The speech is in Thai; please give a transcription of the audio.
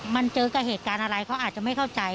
มันเจอกับเหตุการณ์อะไรเขาอาจจะไม่เข้าใจ